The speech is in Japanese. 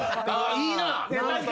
いいな！